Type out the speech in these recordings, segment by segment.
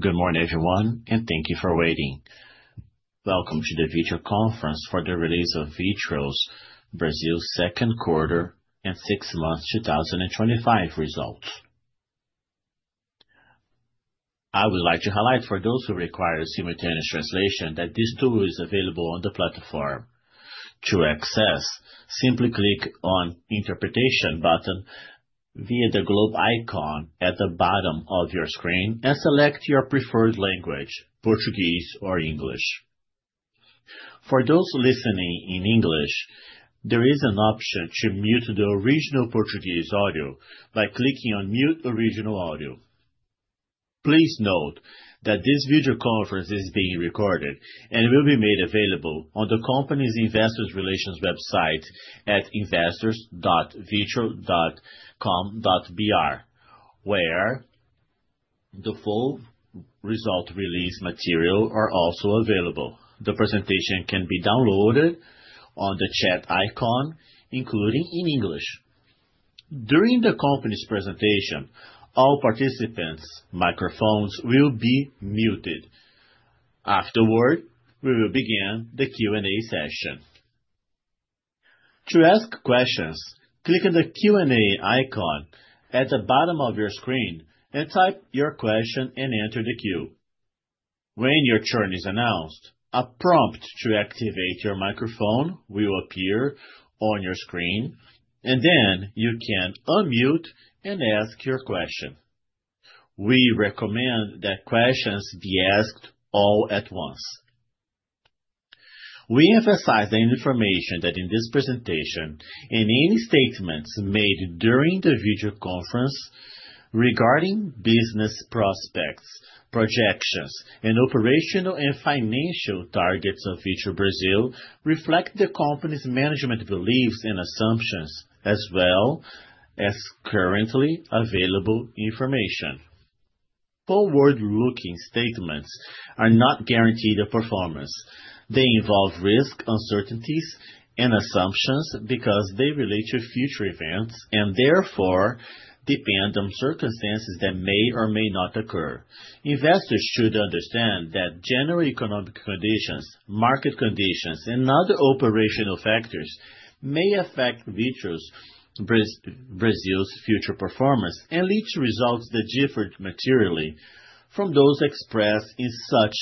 Good morning, everyone, and thank you for waiting. Welcome to the video conference for the release of Vitru Brazil second quarter and six months 2025 results. I would like to highlight, for those who require simultaneous translation, that this tool is available on the platform. To access, simply click on the Interpretation button via the globe icon at the bottom of your screen and select your preferred language: Portuguese or English. For those listening in English, there is an option to mute the original Portuguese audio by clicking on Mute Original Audio. Please note that this video conference is being recorded and will be made available on the company's Investor Relations website at investors.vitru.com.br, where the full result release material is also available. The presentation can be downloaded on the chat icon, including in English. During the company's presentation, all participants' microphones will be muted. Afterward, we will begin the Q&A session. To ask questions, click on the Q&A icon at the bottom of your screen and type your question and enter the queue. When your turn is announced, a prompt to activate your microphone will appear on your screen, and then you can unmute and ask your question. We recommend that questions be asked all at once. We emphasize the information that in this presentation and any statements made during the video conference regarding business prospects, projections, and operational and financial targets of Vitru Brazil reflect the company's management beliefs and assumptions, as well as currently available information. Forward-looking statements are not guaranteed of performance. They involve risk, uncertainties, and assumptions because they relate to future events and therefore depend on circumstances that may or may not occur. Investors should understand that general economic conditions, market conditions, and other operational factors may affect Vitru Brazil's future performance and lead to results that differ materially from those expressed in such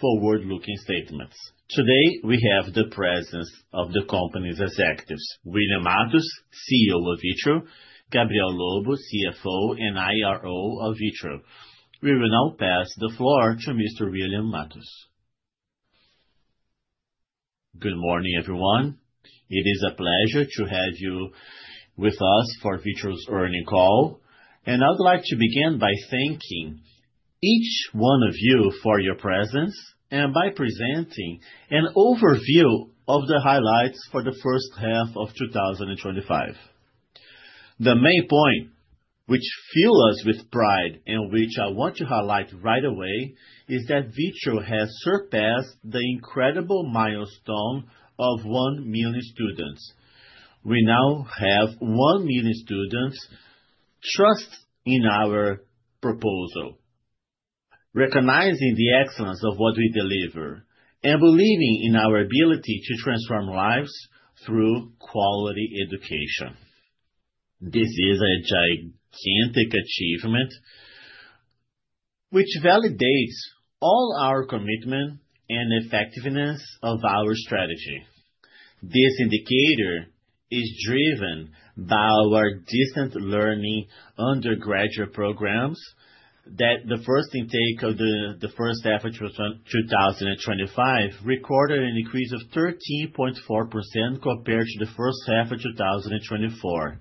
forward-looking statements. Today, we have the presence of the company's executives: William Matos, CEO of Vitru; Gabriel Lobo, CFO and IRO of Vitru. We will now pass the floor to Mr. William Matos. Good morning, everyone. It is a pleasure to have you with us for Vitru's earnings call, and I would like to begin by thanking each one of you for your presence and by presenting an overview of the highlights for the first half of 2025. The main point which fills us with pride and which I want to highlight right away is that Vitru has surpassed the incredible milestone of 1 million students. We now have one million students trusting in our proposal, recognizing the excellence of what we deliver, and believing in our ability to transform lives through quality education. This is a gigantic achievement which validates all our commitment and effectiveness of our strategy. This indicator is driven by our distance learning undergraduate programs that the first intake of the first half of 2025 recorded an increase of 13.4% compared to the first half of 2024.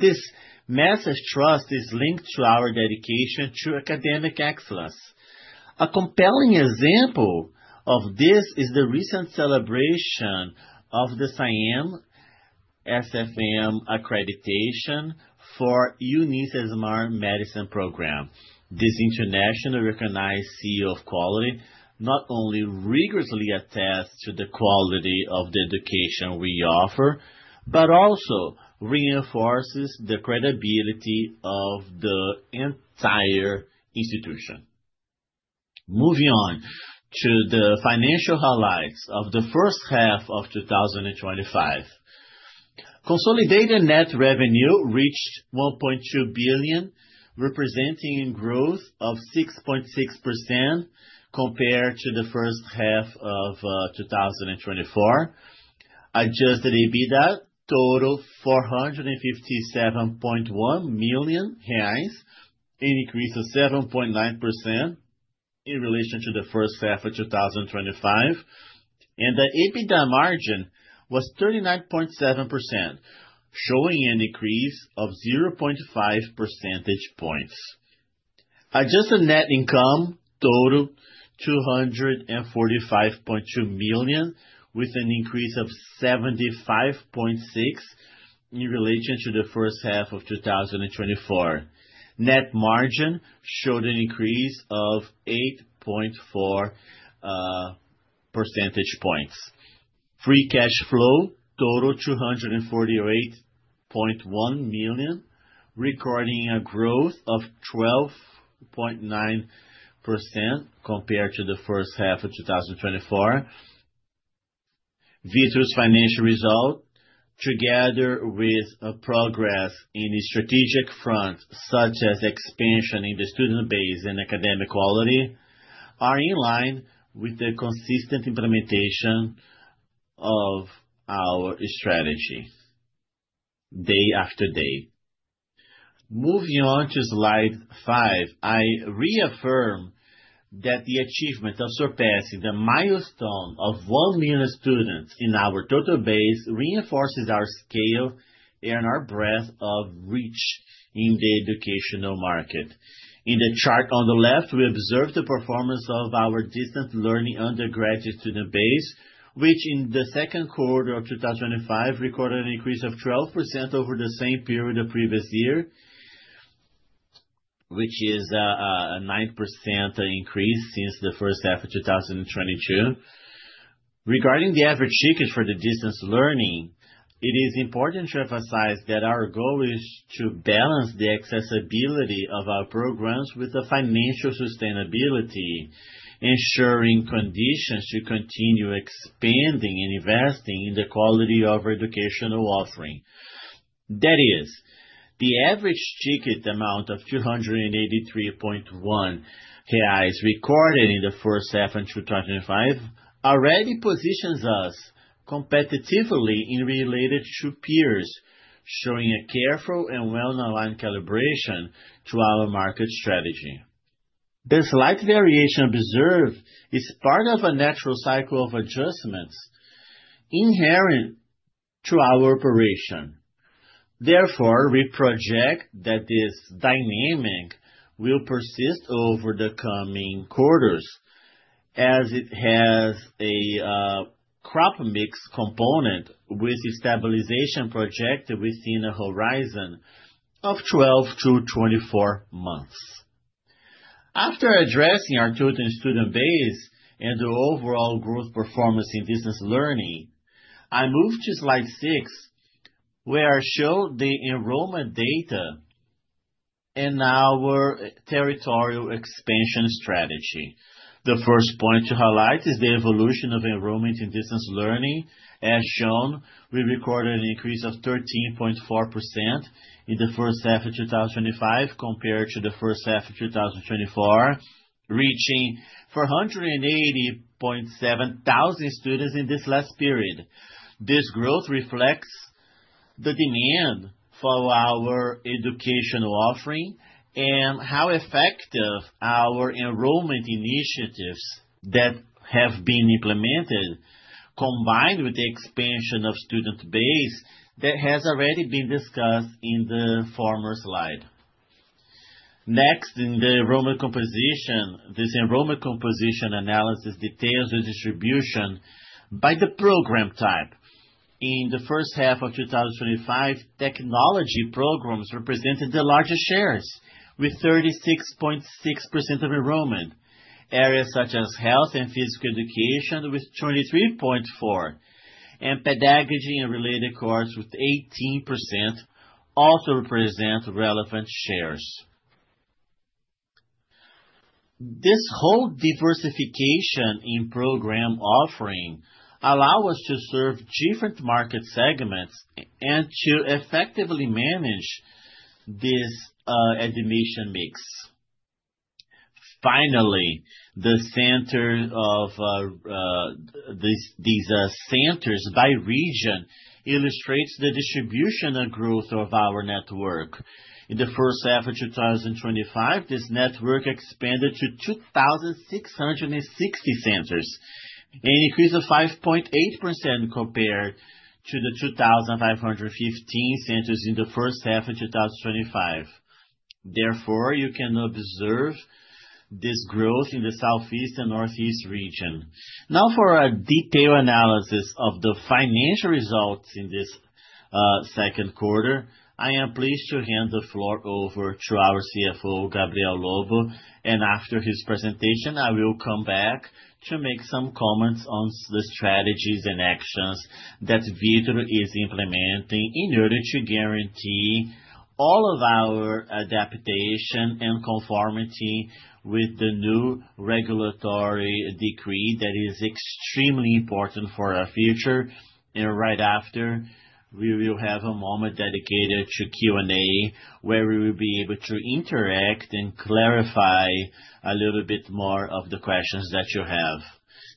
This massive trust is linked to our dedication to academic excellence. A compelling example of this is the recent celebration of the SAEME-CFM accreditation for UniCesumar Medicine Program. This internationally recognized seal of quality not only rigorously attests to the quality of the education we offer, but also reinforces the credibility of the entire institution. Moving on to the financial highlights of the first half of 2025. Consolidated net revenue reached 1.2 billion, representing a growth of 6.6% compared to the first half of 2024. Adjusted EBITDA totaled BRL 457.1 million, an increase of 7.9% in relation to the first half of 2025, and the EBITDA margin was 39.7%, showing an increase of 0.5 percentage points. Adjusted net income totaled 245.2 million, with an increase of 75.6% in relation to the first half of 2024. Net margin showed an increase of 8.4 percentage points. Free cash flow totaled 248.1 million, recording a growth of 12.9% compared to the first half of 2024. Vitru's financial results, together with progress in the strategic fronts such as expansion in the student base and academic quality, are in line with the consistent implementation of our strategy day after day. Moving on to slide five, I reaffirm that the achievement of surpassing the milestone of one million students in our total base reinforces our scale and our breadth of reach in the educational market. In the chart on the left, we observe the performance of our distance learning undergraduate student base, which in the second quarter of 2025 recorded an increase of 12% over the same period of previous year, which is a 9% increase since the first half of 2022. Regarding the average ticket for the distance learning, it is important to emphasize that our goal is to balance the accessibility of our programs with the financial sustainability, ensuring conditions to continue expanding and investing in the quality of our educational offering. That is, the average ticket amount of 283.1 reais recorded in the first half of 2025 already positions us competitively in relation to peers, showing a careful and well-aligned calibration to our market strategy. The slight variation observed is part of a natural cycle of adjustments inherent to our operation. Therefore, we project that this dynamic will persist over the coming quarters, as it has a crop mix component with a stabilization projected within a horizon of 12-24 months. After addressing our total student base and the overall growth performance in distance learning, I move to slide six, where I show the enrollment data and our territorial expansion strategy. The first point to highlight is the evolution of enrollment in distance learning. As shown, we recorded an increase of 13.4% in the first half of 2025 compared to the first half of 2024, reaching 480.7 thousand students in this last period. This growth reflects the demand for our educational offering and how effective our enrollment initiatives that have been implemented, combined with the expansion of student base that has already been discussed in the former slide. Next, in the enrollment composition, this enrollment composition analysis details the distribution by the program type. In the first half of 2025, technology programs represented the largest shares, with 36.6% of enrollment. Areas such as health and physical education, with 23.4%, and pedagogy and related courses, with 18%, also represent relevant shares. This whole diversification in program offering allows us to serve different market segments and to effectively manage this admission mix. Finally, the center of these centers by region illustrates the distribution and growth of our network. In the first half of 2025, this network expanded to 2,660 centers, an increase of 5.8% compared to the 2,515 centers in the first half of 2025. Therefore, you can observe this growth in the Southeast and Northeast region. Now, for a detailed analysis of the financial results in this second quarter, I am pleased to hand the floor over to our CFO, Gabriel Lobo, and after his presentation, I will come back to make some comments on the strategies and actions that Vitru is implementing in order to guarantee all of our adaptation and conformity with the new regulatory decree that is extremely important for our future. Right after, we will have a moment dedicated to Q&A where we will be able to interact and clarify a little bit more of the questions that you have.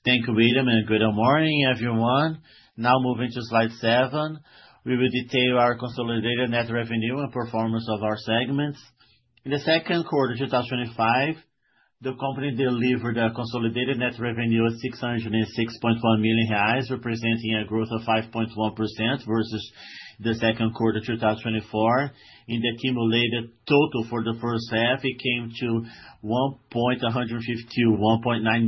Thank you, William, and good morning, everyone. Now, moving to slide seven, we will detail our consolidated net revenue and performance of our segments. In the second quarter of 2025, the company delivered a consolidated net revenue of 606.1 million reais, representing a growth of 5.1% versus the second quarter of 2024. In the accumulated total for the first half, it came to 1,152.1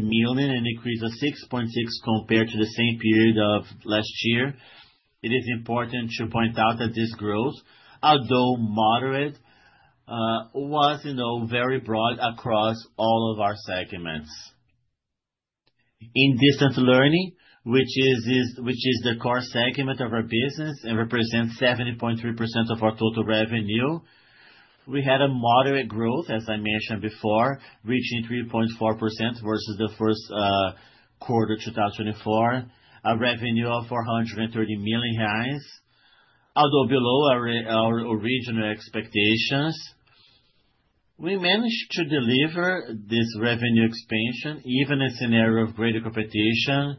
million, an increase of 6.6% compared to the same period of last year. It is important to point out that this growth, although moderate, was very broad across all of our segments. In distance learning, which is the core segment of our business and represents 70.3% of our total revenue, we had a moderate growth, as I mentioned before, reaching 3.4% versus the first quarter of 2024, a revenue of 430 million reais, although below our original expectations. We managed to deliver this revenue expansion even in a scenario of greater competition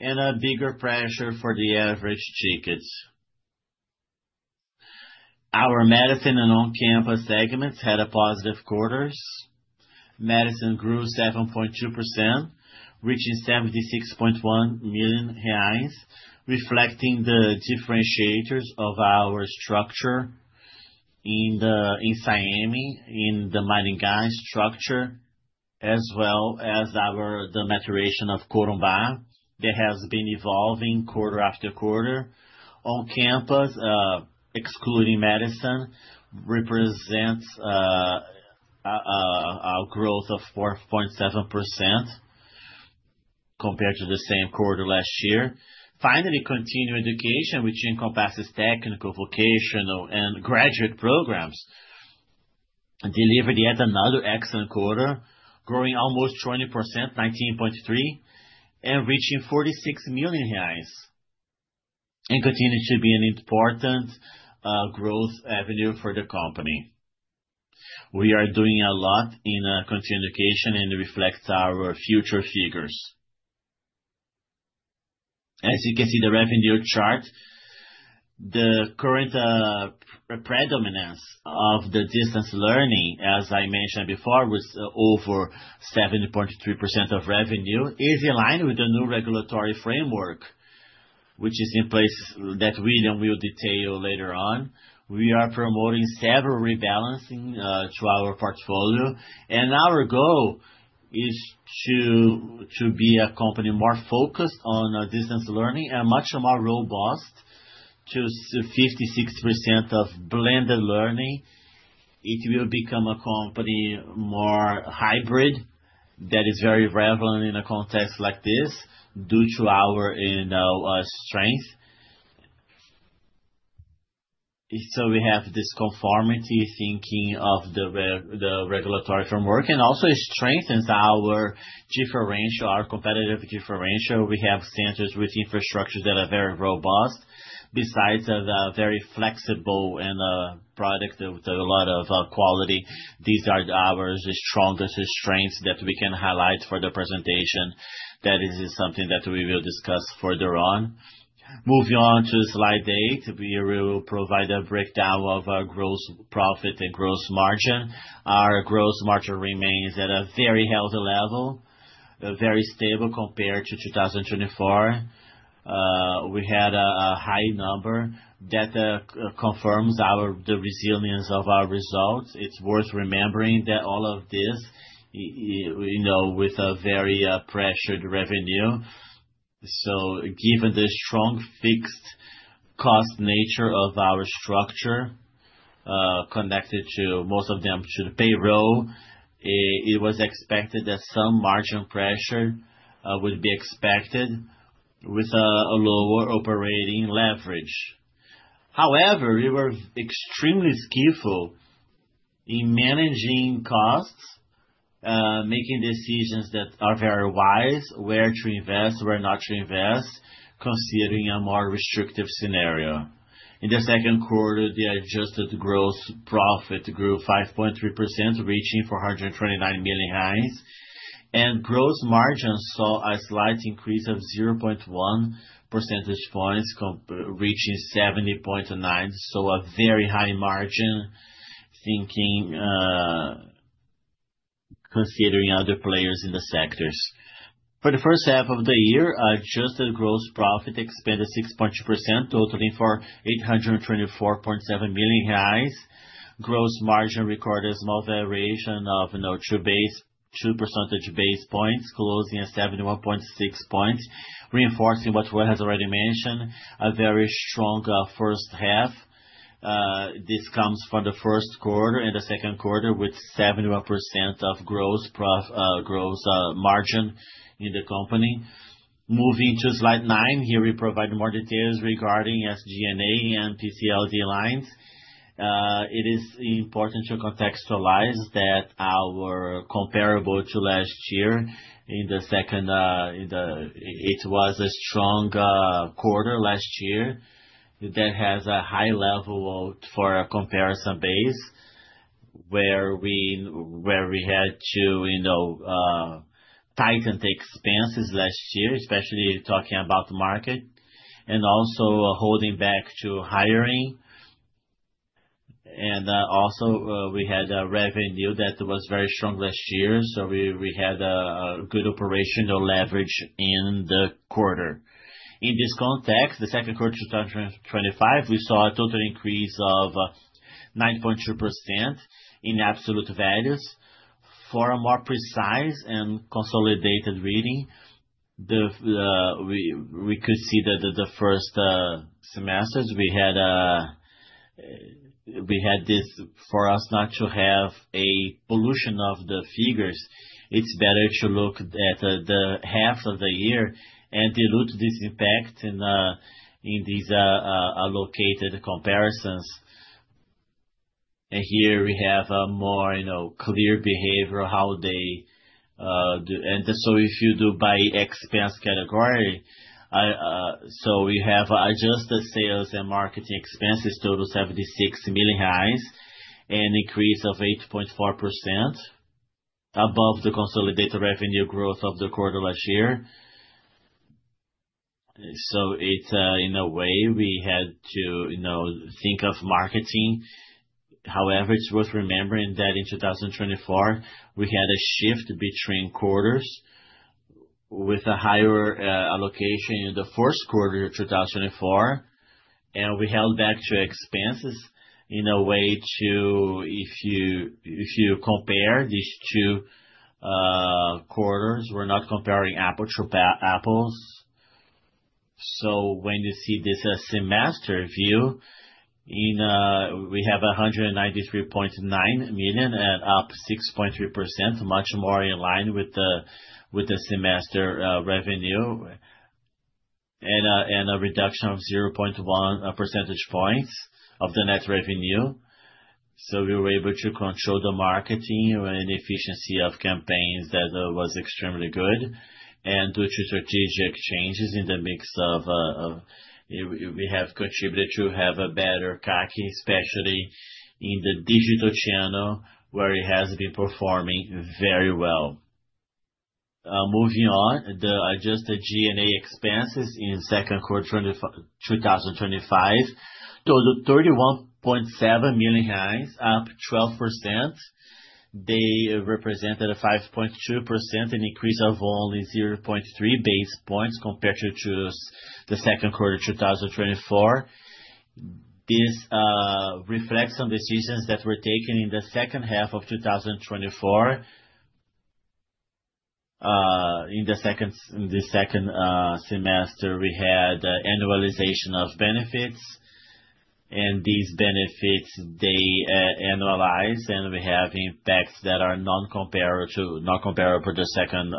and a bigger pressure for the average tickets. Our medicine and on-campus segments had positive quarters. Medicine grew 7.2%, reaching 76.1 million reais, reflecting the differentiators of our structure in SAEME, in the Maringá structure, as well as the maturation of Corumbá that has been evolving quarter after quarter. On-campus, excluding medicine, represents a growth of 4.7% compared to the same quarter last year. Finally, continuing education, which encompasses technical, vocational, and graduate programs, delivered yet another excellent quarter, growing almost 20%, 19.3%, and reaching 46 million reais, and continues to be an important growth avenue for the company. We are doing a lot in continuing education and reflects our future figures. As you can see the revenue chart, the current predominance of the distance learning, as I mentioned before, was over 70.3% of revenue, is in line with the new regulatory framework, which is in place that William will detail later on. We are promoting several rebalancing to our portfolio, and our goal is to be a company more focused on distance learning and much more robust to 56% of blended learning. It will become a company more hybrid that is very relevant in a context like this due to our strength. So we have this conformity thinking of the regulatory framework and also strengthens our differential, our competitive differential. We have centers with infrastructures that are very robust besides the very flexible and productive with a lot of quality. These are our strongest strengths that we can highlight for the presentation. That is something that we will discuss further on. Moving on to slide eight, we will provide a breakdown of our gross profit and gross margin. Our gross margin remains at a very healthy level, very stable compared to 2024. We had a high number that confirms the resilience of our results. It's worth remembering that all of this, with a very pressured revenue. So given the strong fixed cost nature of our structure, connected to most of them to the payroll, it was expected that some margin pressure would be expected with a lower operating leverage. However, we were extremely skillful in managing costs, making decisions that are very wise, where to invest, where not to invest, considering a more restrictive scenario. In the second quarter, the adjusted gross profit grew 5.3%, reaching 429 million, and gross margin saw a slight increase of 0.1 percentage points, reaching 70.9%. So a very high margin thinking considering other players in the sectors. For the first half of the year, adjusted gross profit expanded 6.2%, totaling for 824.7 million reais. Gross margin recorded a small variation of two basis points, closing at 71.6 points, reinforcing what has already mentioned, a very strong first half. This comes from the first quarter and the second quarter with 71% of gross margin in the company. Moving to slide nine, here we provide more details regarding SG&A and PCLD lines. It is important to contextualize that our comparable to last year in the second, it was a strong quarter last year that has a high level for a comparison base where we had to tighten the expenses last year, especially talking about the market and also holding back to hiring, and also we had a revenue that was very strong last year, so we had a good operational leverage in the quarter. In this context, the second quarter of 2025, we saw a total increase of 9.2% in absolute values. For a more precise and consolidated reading, we could see that the first semesters we had this for us not to have a pollution of the figures. It's better to look at the half of the year and dilute this impact in these allocated comparisons, and here we have a more clear behavior of how they do. And so if you do by expense category, so we have adjusted sales and marketing expenses total 76 million reais and increase of 8.4% above the consolidated revenue growth of the quarter last year. So in a way, we had to think of marketing. However, it's worth remembering that in 2024, we had a shift between quarters with a higher allocation in the first quarter of 2024, and we held back to expenses in a way to, if you compare these two quarters, we're not comparing apples to apples. So when you see this semester view, we have 193.9 million and up 6.3%, much more in line with the semester revenue and a reduction of 0.1 percentage points of the net revenue. So we were able to control the marketing and efficiency of campaigns that was extremely good. Due to strategic changes in the mix, we have contributed to have a better CAC, especially in the digital channel where it has been performing very well. Moving on, the adjusted G&A expenses in second quarter 2025 totaled 31.7 million reais, up 12%. They represented 5.2%, an increase of only 0.3 basis points compared to the second quarter of 2024. This reflects on decisions that were taken in the second half of 2024. In the second semester, we had annualization of benefits, and these benefits, they annualized, and we have impacts that are non-comparable to the second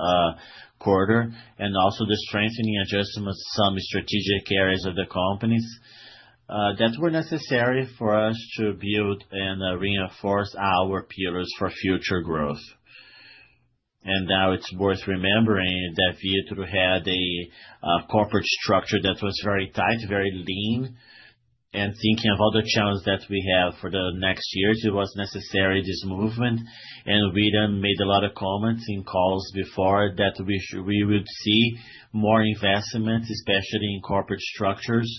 quarter. Also, the strengthening adjustment of some strategic areas of the companies that were necessary for us to build and reinforce our pillars for future growth. Now it's worth remembering that Vitru had a corporate structure that was very tight, very lean. Thinking of other challenges that we have for the next years, it was necessary this movement. William made a lot of comments in calls before that we would see more investments, especially in corporate structures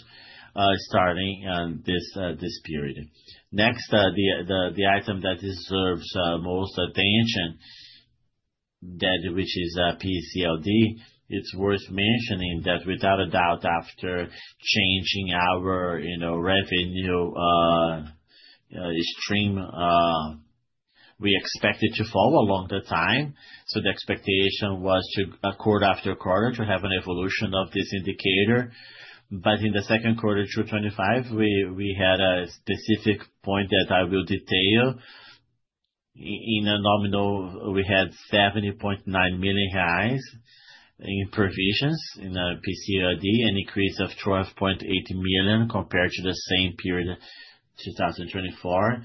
starting this period. Next, the item that deserves most attention, which is PCLD. It is worth mentioning that without a doubt, after changing our revenue stream, we expected to fall along the time. The expectation was to quarter after quarter to have an evolution of this indicator. In the second quarter of 2025, we had a specific point that I will detail. In nominal terms, we had 70.9 million reais in provisions in PCLD, an increase of 12.8 million compared to the same period of 2024,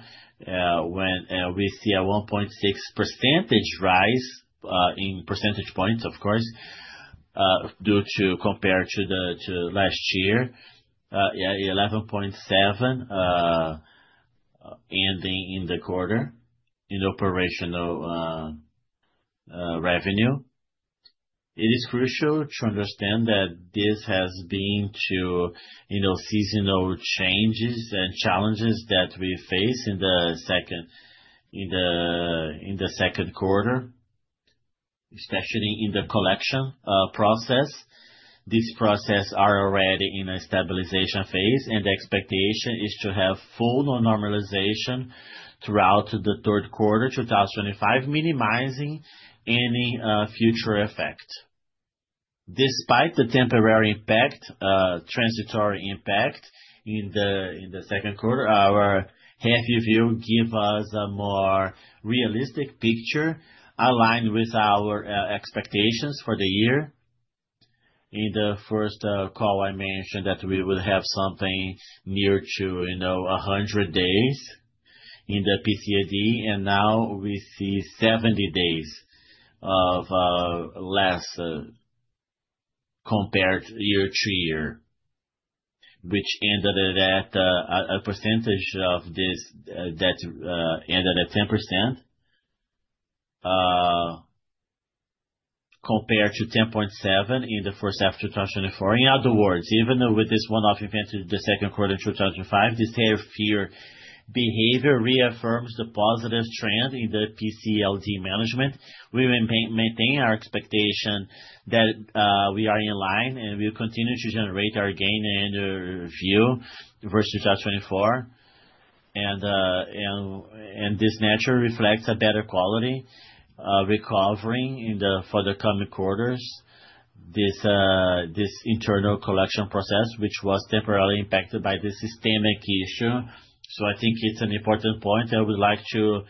when we see a 1.6 percentage points rise, of course, due to compare to last year, 11.7% ending in the quarter in operational revenue. It is crucial to understand that this has been to seasonal changes and challenges that we face in the second quarter, especially in the collection process. This process is already in a stabilization phase, and the expectation is to have full normalization throughout the third quarter of 2025, minimizing any future effect. Despite the temporary impact, transitory impact in the second quarter, our heavy view gives us a more realistic picture aligned with our expectations for the year. In the first call, I mentioned that we would have something near to 100 days in the PCLD, and now we see 70 days of less compared year to year, which ended at a percentage of this that ended at 10% compared to 10.7% in the first half of 2024. In other words, even with this one-off event in the second quarter of 2025, this healthy behavior reaffirms the positive trend in the PCLD management. We maintain our expectation that we are in line, and we continue to generate our gain in revenue versus 2024, and this nature reflects a better quality recovery for the coming quarters. This internal collection process, which was temporarily impacted by the systemic issue, so I think it's an important point. I would like to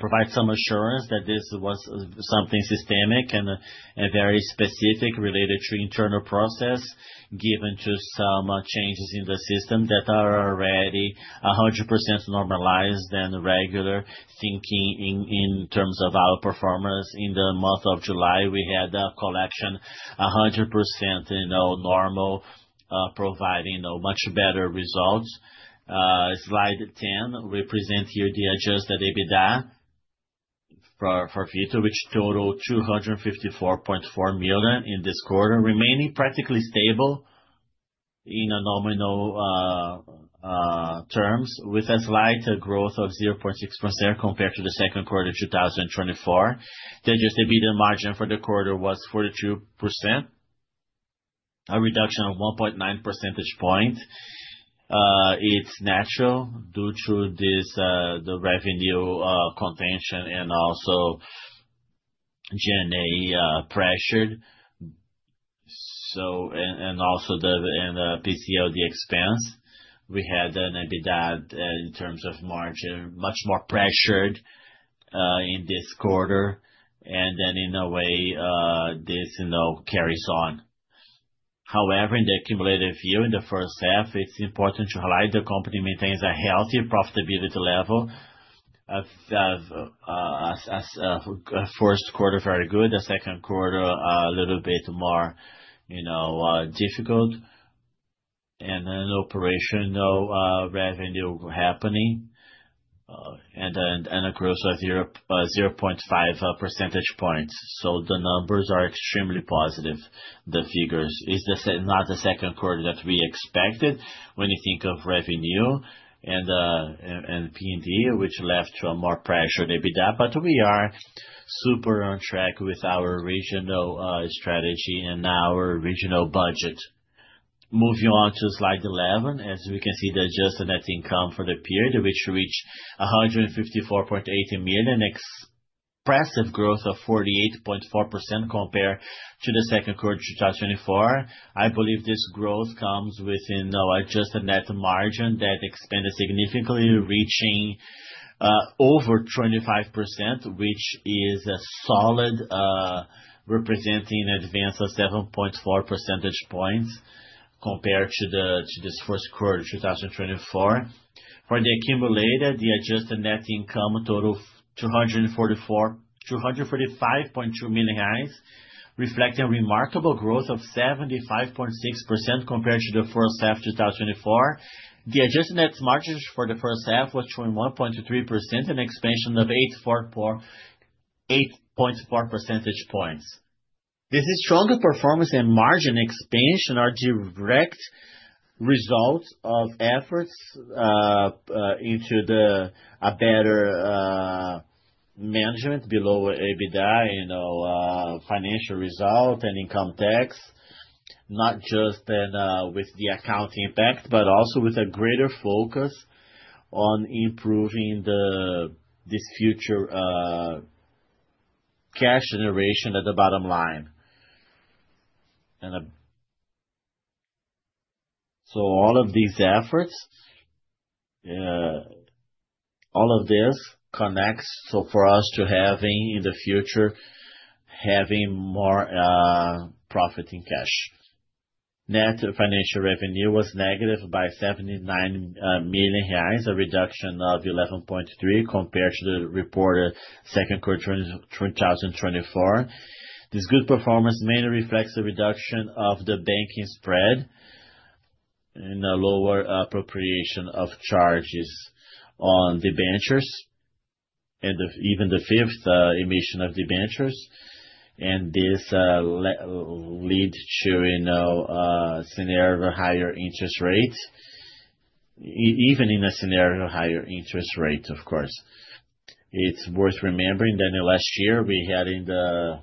provide some assurance that this was something systemic and very specific related to internal process due to some changes in the system that are already 100% normalized and regular thinking in terms of our performance. In the month of July, we had a collection 100% normal, providing much better results. Slide 10 represents here the adjusted EBITDA for Vitru, which totaled 254.4 million in this quarter, remaining practically stable in nominal terms with a slight growth of 0.6% compared to the second quarter of 2024. The adjusted EBITDA margin for the quarter was 42%, a reduction of 1.9 percentage points. It's natural due to the revenue contention and also G&A pressured, and also the PCLD expense. We had an EBITDA in terms of margin much more pressured in this quarter, and then in a way, this carries on. However, in the accumulative view in the first half, it's important to highlight the company maintains a healthy profitability level. First quarter very good, the second quarter a little bit more difficult, and then operational revenue happening, and a growth of 0.5 percentage points, so the numbers are extremely positive. The figures is not the second quarter that we expected when you think of revenue and PCLD, which left a more pressured EBITDA, but we are super on track with our regional strategy and our regional budget. Moving on to slide 11, as we can see the adjusted net income for the period, which reached 154.8 million, expressive growth of 48.4% compared to the second quarter of 2024. I believe this growth comes with an adjusted net margin that expanded significantly, reaching over 25%, which is solid, representing an advance of 7.4 percentage points compared to this first quarter of 2024. For the accumulated, the adjusted net income totaled 245.2 million reais, reflecting a remarkable growth of 75.6% compared to the first half of 2024. The adjusted net margin for the first half was 21.3%, an expansion of 8.4 percentage points. This stronger performance and margin expansion are direct results of efforts into a better management below EBITDA, financial result, and income tax, not just with the accounting impact, but also with a greater focus on improving this future cash generation at the bottom line. So all of these efforts, all of this connects for us to having in the future, having more profit in cash. Net financial revenue was negative by 79 million reais, a reduction of 11.3% compared to the reported second quarter 2024. This good performance mainly reflects the reduction of the banking spread and a lower appropriation of charges on the debentures and even the fifth issuance of the debentures, and this led to a scenario of a higher interest rate, even in a scenario of a higher interest rate, of course. It's worth remembering that in the last year, we had in the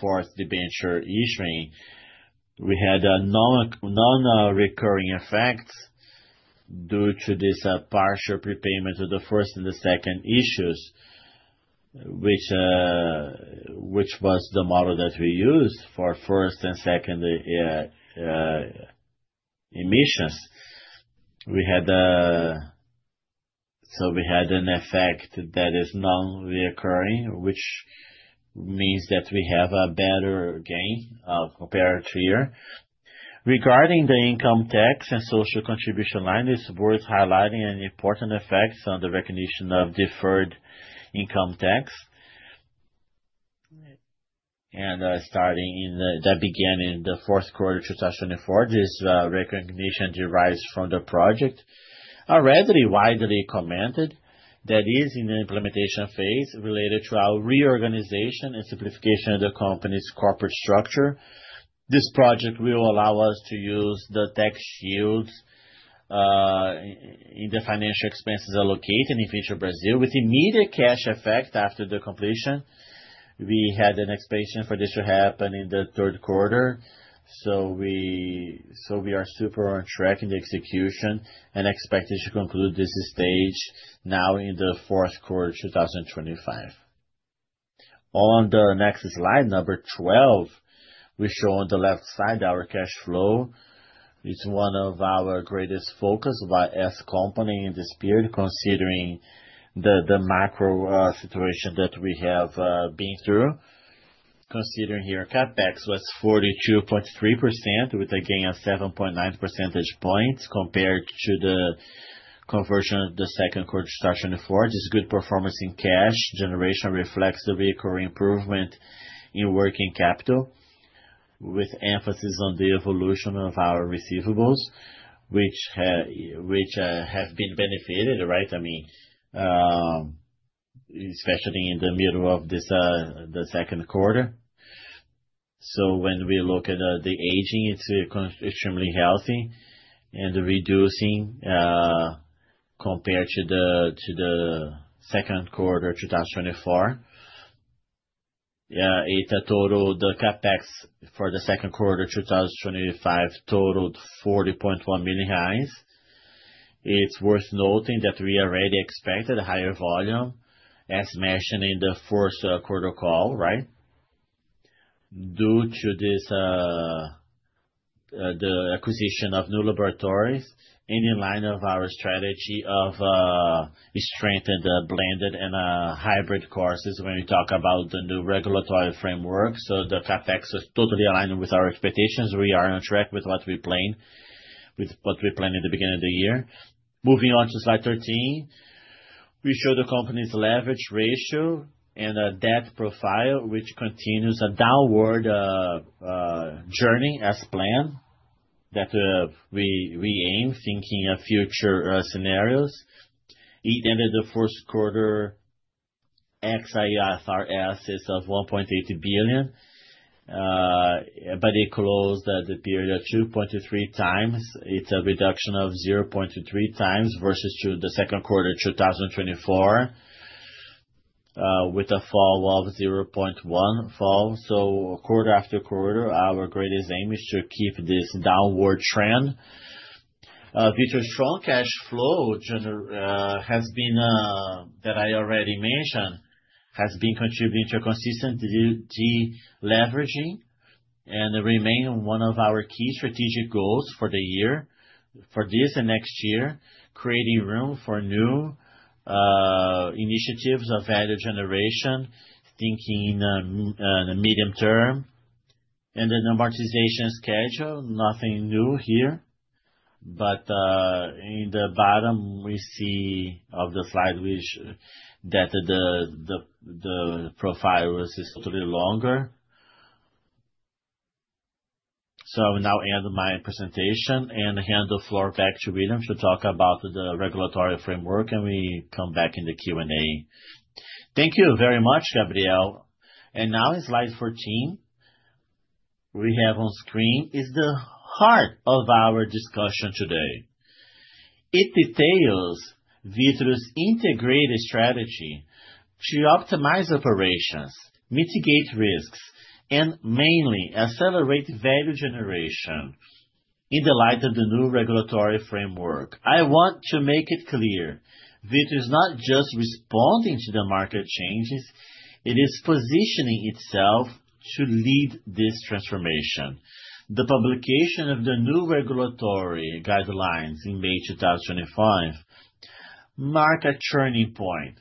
fourth debenture issuance, we had non-recurring effects due to this partial prepayment of the first and the second issues, which was the model that we used for first and second issuances. So we had an effect that is non-recurring, which means that we have a better gain compared to here. Regarding the income tax and social contribution line, it's worth highlighting an important effect on the recognition of deferred income tax. That began in the fourth quarter of 2024. This recognition derives from the project already widely commented. That is in the implementation phase related to our reorganization and simplification of the company's corporate structure. This project will allow us to use the tax shield in the financial expenses allocated in Vitru Brazil with immediate cash effect after the completion. We had an expectation for this to happen in the third quarter. So we are super on track in the execution and expected to conclude this stage now in the fourth quarter of 2025. On the next slide, number 12, we show on the left side our cash flow. It's one of our greatest focus by Vitru company in this period, considering the macro situation that we have been through. Considering here, CapEx was 42.3% with a gain of 7.9 percentage points compared to the conversion of the second quarter of 2024. This good performance in cash generation reflects the recurring improvement in working capital with emphasis on the evolution of our receivables, which have been benefited, right? I mean, especially in the middle of the second quarter. So when we look at the aging, it's extremely healthy and reducing compared to the second quarter of 2024. It totaled the CapEx for the second quarter of 2025 totaled 40.1 million reais. It's worth noting that we already expected a higher volume, as mentioned in the fourth quarter call, right? Due to the acquisition of new laboratories and in line with our strategy of strengthened blended and hybrid courses when we talk about the new regulatory framework. The CapEx was totally aligned with our expectations. We are on track with what we planned in the beginning of the year. Moving on to slide 13, we show the company's leverage ratio and a debt profile, which continues a downward journey as planned that we aim, thinking of future scenarios. It ended the first quarter under IFRS is of 1.8 billion, but it closed the period 2.3 times. It's a reduction of 0.3 times versus the second quarter of 2024 with a fall of 0.1. So, quarter after quarter, our greatest aim is to keep this downward trend. Future strong cash flow has been that I already mentioned has been contributing to consistently leveraging and remaining one of our key strategic goals for the year, for this and next year, creating room for new initiatives of value generation, thinking in the medium term. And the amortization schedule, nothing new here. But in the bottom, we see of the slide that the profile was totally longer. So I will now end my presentation and hand the floor back to William to talk about the regulatory framework, and we come back in the Q&A. Thank you very much, Gabriel. And now in slide 14, we have on screen is the heart of our discussion today. It details Vitru's integrated strategy to optimize operations, mitigate risks, and mainly accelerate value generation in the light of the new regulatory framework. I want to make it clear: Vitru is not just responding to the market changes. It is positioning itself to lead this transformation. The publication of the new regulatory guidelines in May 2025 marked a turning point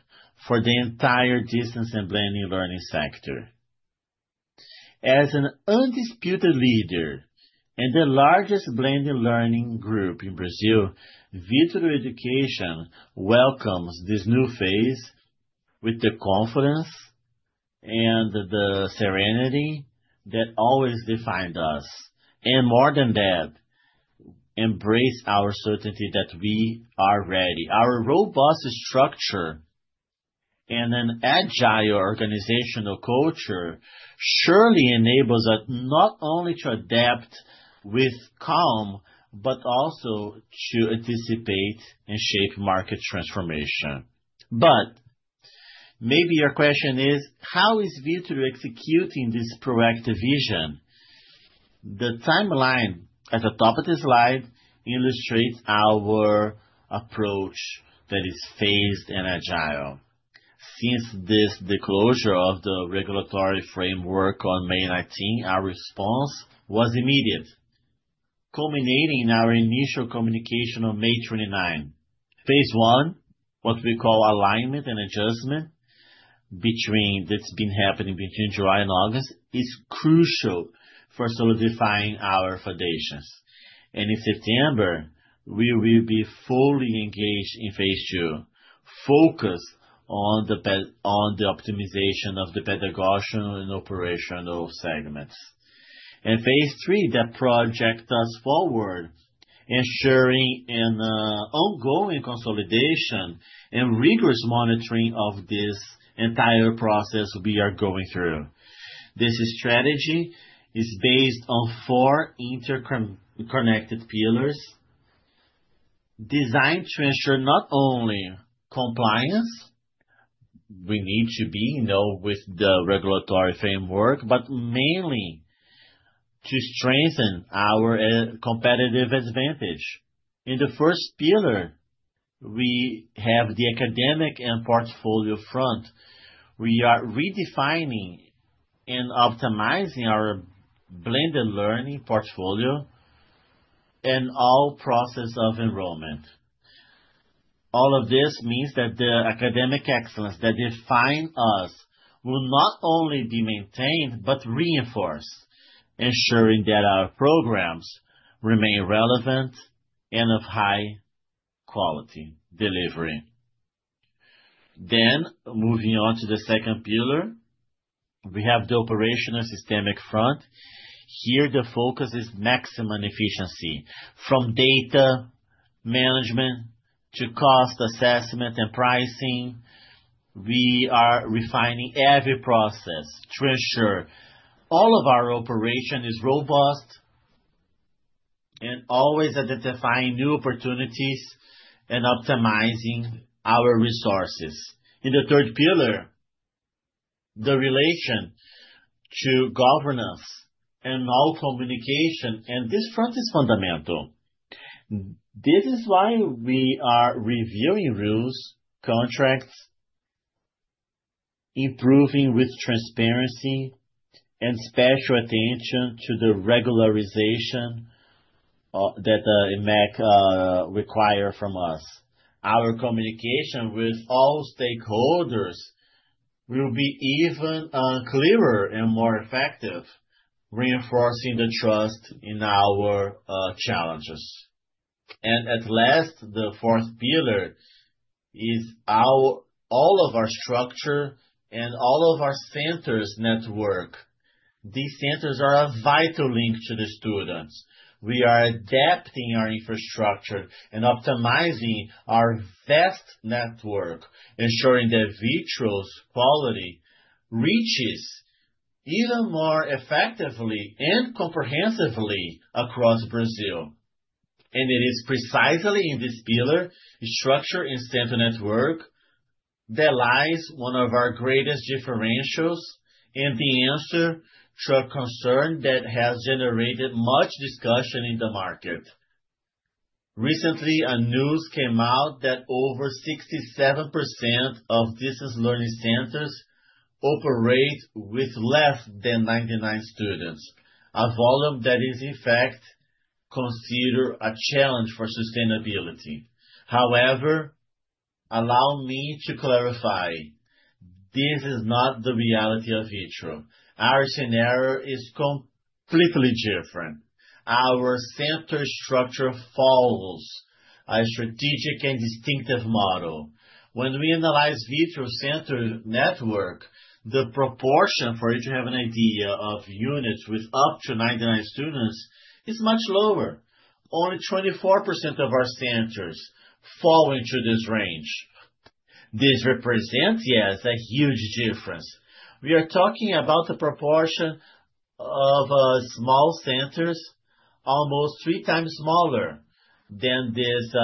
for the entire distance and blended learning sector. As an undisputed leader and the largest blended learning group in Brazil, Vitru Education welcomes this new phase with the confidence and the serenity that always defined us. And more than that, embrace our certainty that we are ready. Our robust structure and an agile organizational culture surely enables us not only to adapt with calm, but also to anticipate and shape market transformation. But maybe your question is, how is Vitru executing this proactive vision? The timeline at the top of the slide illustrates our approach that is phased and agile. Since this disclosure of the regulatory framework on May 19, our response was immediate, culminating in our initial communication on May 29. Phase one, what we call alignment and adjustment, that's been happening between July and August, is crucial for solidifying our foundations. In September, we will be fully engaged in phase two, focused on the optimization of the pedagogical and operational segments. Phase three, the process goes forward, ensuring an ongoing consolidation and rigorous monitoring of this entire process we are going through. This strategy is based on four interconnected pillars designed to ensure not only compliance with the regulatory framework, but mainly to strengthen our competitive advantage. In the first pillar, we have the academic and portfolio front. We are redefining and optimizing our blended learning portfolio and all process of enrollment. All of this means that the academic excellence that defines us will not only be maintained, but reinforced, ensuring that our programs remain relevant and of high-quality delivery. Then, moving on to the second pillar, we have the operational systemic front. Here, the focus is maximum efficiency. From data management to cost assessment and pricing, we are refining every process to ensure all of our operation is robust and always identifying new opportunities and optimizing our resources. In the third pillar, the relation to governance and all communication, and this front is fundamental. This is why we are reviewing rules, contracts, improving with transparency, and special attention to the regularization that the MEC requires from us. Our communication with all stakeholders will be even clearer and more effective, reinforcing the trust in our challenges. At last, the fourth pillar is all of our structure and all of our centers network. These centers are a vital link to the students. We are adapting our infrastructure and optimizing our vast network, ensuring that Vitru's quality reaches even more effectively and comprehensively across Brazil. It is precisely in this pillar, structure, and center network that lies one of our greatest differentials and the answer to a concern that has generated much discussion in the market. Recently, a news came out that over 67% of distance learning centers operate with less than 99 students, a volume that is, in fact, considered a challenge for sustainability. However, allow me to clarify. This is not the reality of Vitru. Our scenario is completely different. Our center structure follows a strategic and distinctive model. When we analyze Vitru's center network, the proportion, for you to have an idea of units with up to 99 students, is much lower. Only 24% of our centers fall into this range. This represents, yes, a huge difference. We are talking about the proportion of small centers, almost three times smaller than this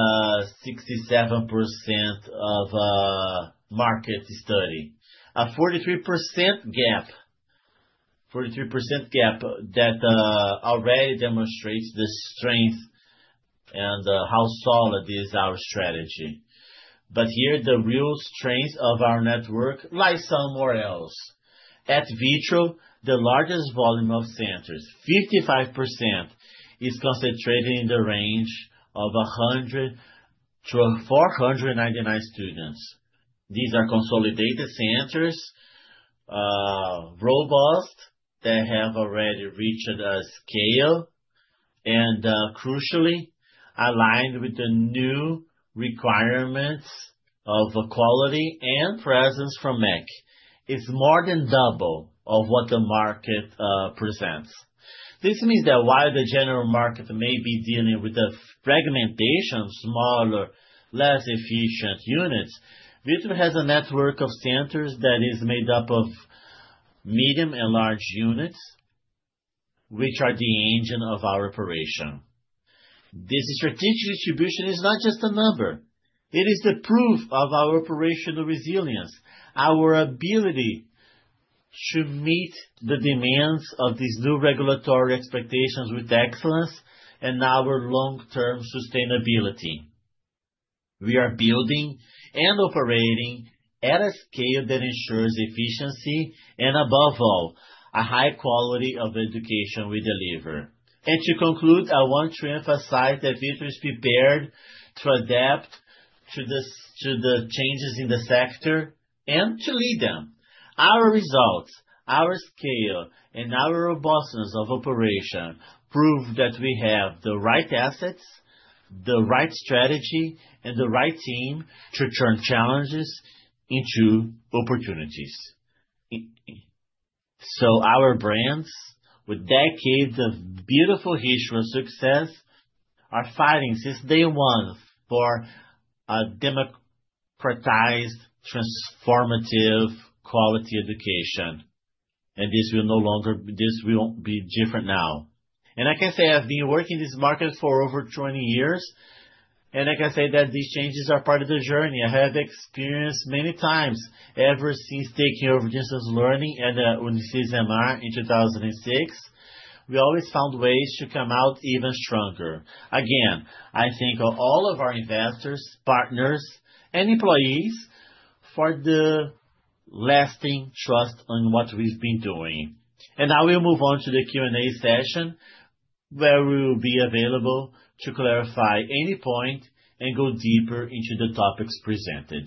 67% of market study. A 43% gap, 43% gap that already demonstrates the strength and how solid is our strategy. But here, the real strength of our network lies somewhere else. At Vitru, the largest volume of centers, 55%, is concentrated in the range of 499 students. These are consolidated centers, robust, that have already reached a scale, and crucially, aligned with the new requirements of quality and presence from MEC. It's more than double of what the market presents. This means that while the general market may be dealing with the fragmentation, smaller, less efficient units, Vitru has a network of centers that is made up of medium and large units, which are the engine of our operation. This strategic distribution is not just a number. It is the proof of our operational resilience, our ability to meet the demands of these new regulatory expectations with excellence and our long-term sustainability. We are building and operating at a scale that ensures efficiency and, above all, a high quality of education we deliver. And to conclude, I want to emphasize that Vitru is prepared to adapt to the changes in the sector and to lead them. Our results, our scale, and our robustness of operation prove that we have the right assets, the right strategy, and the right team to turn challenges into opportunities. So our brands, with decades of beautiful history of success, are fighting since day one for a democratized, transformative quality education. And this will no longer be different now. And I can say I've been working in this market for over 20 years, and I can say that these changes are part of the journey. I have experienced many times ever since taking over distance learning and UniCesumar in 2006. We always found ways to come out even stronger. Again, I thank all of our investors, partners, and employees for the lasting trust in what we've been doing. And now we'll move on to the Q&A session, where we will be available to clarify any point and go deeper into the topics presented.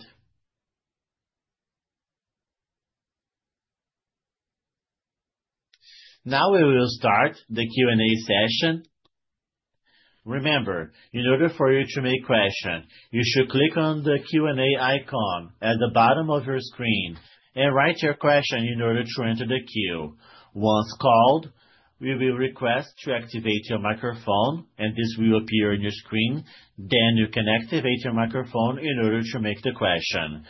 Now we will start the Q&A session. Remember, in order for you to make a question, you should click on the Q&A icon at the bottom of your screen and write your question in order to enter the queue. Once called, we will request to activate your microphone, and this will appear on your screen. Then you can activate your microphone in order to make the question.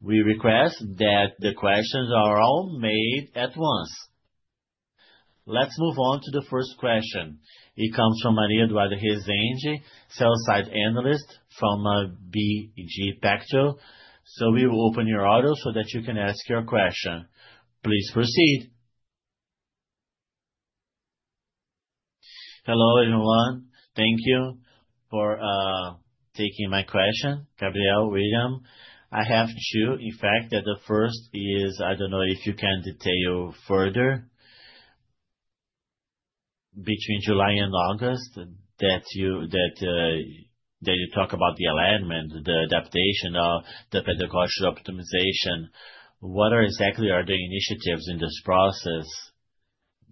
We request that the questions are all made at once. Let's move on to the first question. It comes from Maria Eduarda Rezende, sell-side analyst from BTG Pactual. So we will open your audio so that you can ask your question. Please proceed. Hello, everyone. Thank you for taking my question, Gabriel, William. I have two, in fact, that the first is, I don't know if you can detail further, between July and August, that you talk about the alignment, the adaptation, the pedagogical optimization. What exactly are the initiatives in this process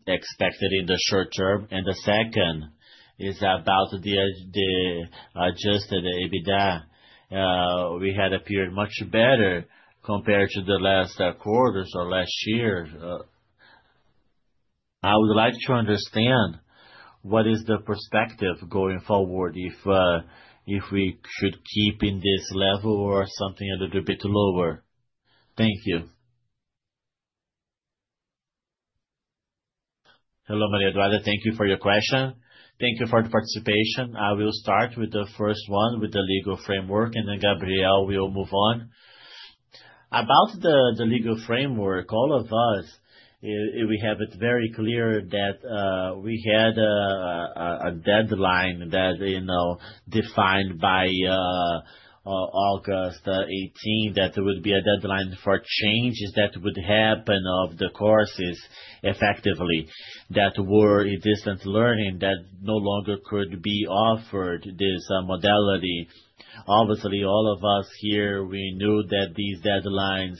expected in the short term? And the second is about the adjusted EBITDA. We had appeared much better compared to the last quarters or last year. I would like to understand what is the perspective going forward if we should keep in this level or something a little bit lower. Thank you. Hello, Maria Eduarda. Thank you for your question. Thank you for the participation. I will start with the first one with the legal framework, and then Gabriel will move on. About the legal framework, all of us, we have it very clear that we had a deadline that defined by August 18, that there would be a deadline for changes that would happen of the courses effectively, that were in distance learning, that no longer could be offered this modality. Obviously, all of us here, we knew that these deadlines,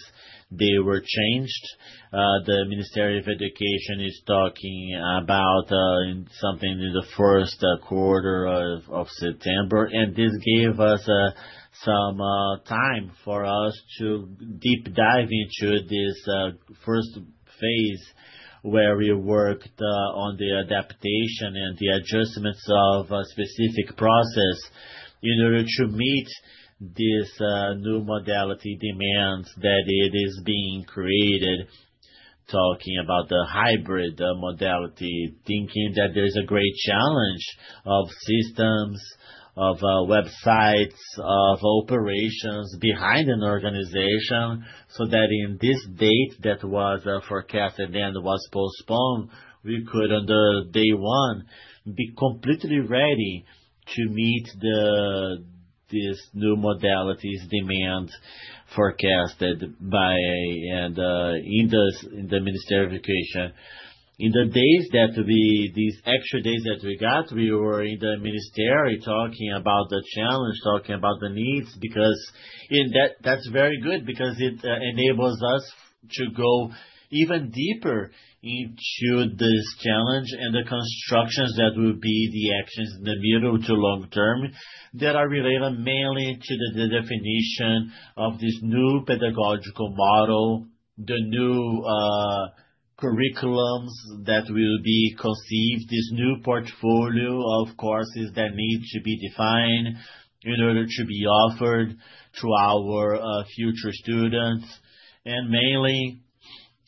they were changed. The Ministry of Education is talking about something in the first quarter of September. And this gave us some time for us to deep dive into this first phase where we worked on the adaptation and the adjustments of a specific process in order to meet this new modality demands that it is being created, talking about the hybrid modality, thinking that there's a great challenge of systems, of websites, of operations behind an organization so that in this date that was forecast and then was postponed, we could, on day one, be completely ready to meet these new modalities demands forecasted by and in the Ministry of Education. In the days that we, these extra days that we got, we were in the Ministry talking about the challenge, talking about the needs, because that's very good because it enables us to go even deeper into this challenge and the constructions that will be the actions in the middle to long term that are related mainly to the definition of this new pedagogical model, the new curriculums that will be conceived, this new portfolio of courses that need to be defined in order to be offered to our future students, and mainly,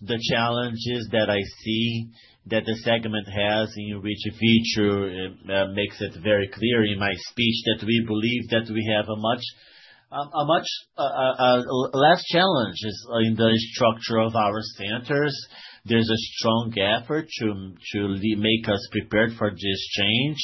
the challenges that I see that the segment has in which Vitru makes it very clear in my speech that we believe that we have a much less challenge in the structure of our centers. There's a strong effort to make us prepared for this change.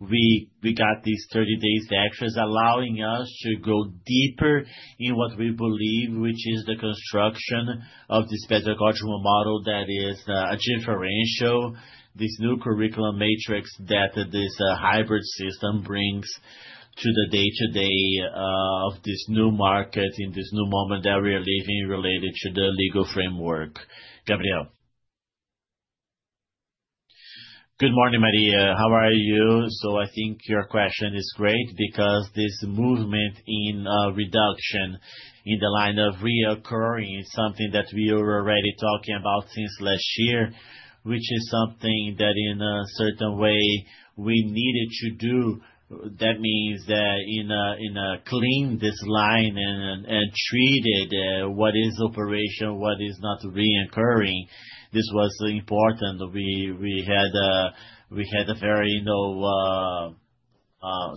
We got these 30 days actions allowing us to go deeper in what we believe, which is the construction of this pedagogical model that is a differential, this new curriculum matrix that this hybrid system brings to the day-to-day of this new market in this new moment that we are living related to the legal framework. Gabriel. Good morning, Maria. How are you? So I think your question is great because this movement in reduction in the line of recurring is something that we were already talking about since last year, which is something that in a certain way we needed to do. That means that we cleaned this line and treated what is operational, what is not recurring. This was important. We had a very